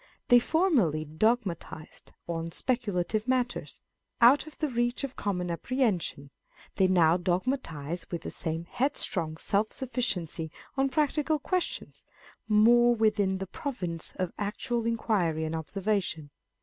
They formerly dogmatised on sj)eculative matters, out of the reach of common apprehension ; they now dogmatise with the same headstrong self sufficiency on practical questions, more within the province of actual inquiry and observation.